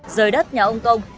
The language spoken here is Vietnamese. rời đất nhà ông công